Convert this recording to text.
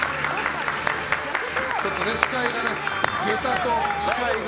ちょっと下駄と視界が。